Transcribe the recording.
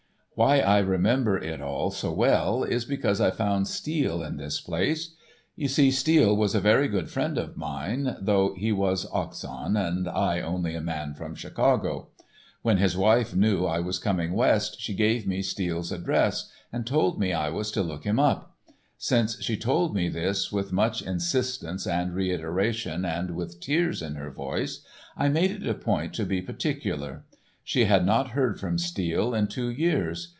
Why I remember it all so well is because I found Steele in this place. You see, Steele was a very good friend of mine though he was Oxon, and I only a man from Chicago. When his wife knew I was coming west she gave me Steele's address, and told me I was to look him up. Since she told me this with much insistence and reiteration and with tears in her voice, I made it a point to be particular. She had not heard from Steele in two years.